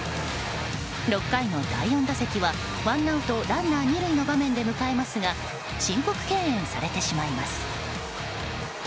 ６回の第４打席は、ワンアウトランナー２塁の場面で迎えますが申告敬遠されてしまいます。